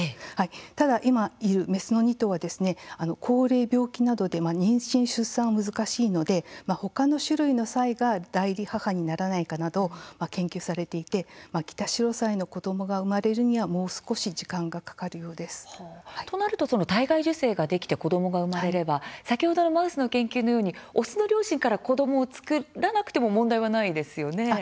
ただ、今いるメスの２頭は高齢、病気などで妊娠、出産が難しいので他の種類のサイが代理母にならないかなど研究されていてキタシロサイの子どもが生まれるにはもう少し体外受精ができて子どもが生まれれば先ほどのマウスの研究のようにオスの両親から子どもを作らなくても問題はないですよね。